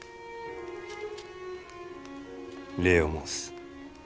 礼を申す。